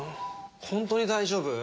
本当に大丈夫？